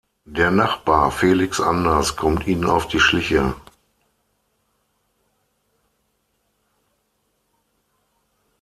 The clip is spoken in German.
Der Nachbar Felix Anders kommt ihnen auf die Schliche.